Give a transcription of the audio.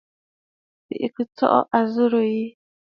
Bɨ kɨ̀ tsɔʼɔ àzɨrə̀ yi.